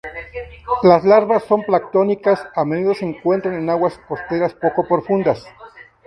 Las larvas son planctónicas, a menudo se encuentra en aguas costeras poco profundas.